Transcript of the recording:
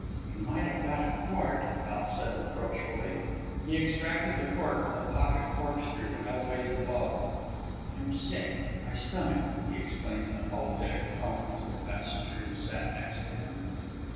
"You might have got a quart," Al said reproachfully. He extracted the cork with a pocket corkscrew, and elevated the bottle. "I'm sick... my stomach," he explained in apologetic tones to the passenger who sat next to him.